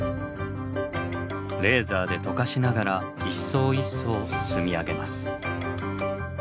レーザ−で溶かしながら一層一層積み上げます。